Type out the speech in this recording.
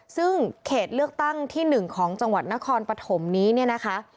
ซึ่งเขตเลือกตั้งที่๑ของจังหวัดนครปฐมนี้เนี่ยนะคะ